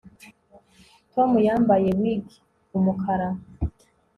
Tom yambaye wig umukara